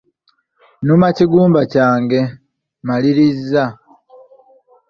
Nnuma kigumba kyange, maliriza.